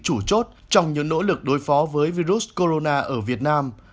chủ chốt trong những nỗ lực đối phó với virus corona ở việt nam